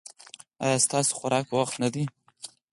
ایا ستاسو خوراک په وخت نه دی؟